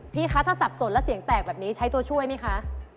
คะถ้าสับสนแล้วเสียงแตกแบบนี้ใช้ตัวช่วยไหมคะ